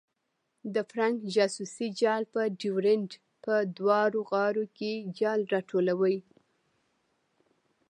د فرنګ جاسوسي جال په ډیورنډ په دواړو غاړو کې جال راټولوي.